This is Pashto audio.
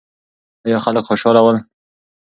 ایا خلک خوشاله ول؟